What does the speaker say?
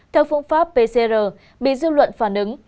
theo phương pháp pcr bị dư luận phản ứng